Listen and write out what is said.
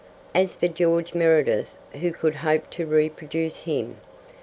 As for George Meredith, who could hope to reproduce him?